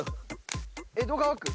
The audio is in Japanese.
江戸川区？